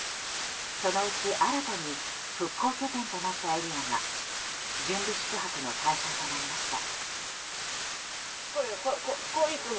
そのうち、新たに復興拠点となったエリアが準備宿泊の対象となりました。